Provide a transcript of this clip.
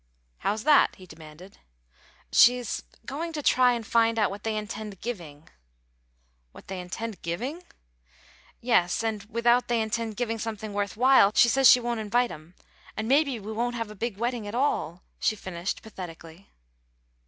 "How's that?" he demanded. "She's going to try and find out what they intend giving." "What they intend giving?" "Yes. And without they intend giving something worth while, she says she won't invite 'em, and maybe we won't have a big wedding at all," she finished, pathetically.